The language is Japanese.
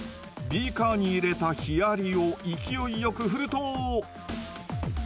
ビーカーに入れたヒアリを勢いよく振ると。